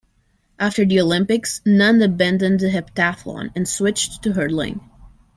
After the Olympics, Nunn abandoned the heptathlon, and switched to hurdling.